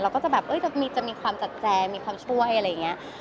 ก็จะแบบจะมีความจัดแจงมีความช่วยอะไรอย่างนี้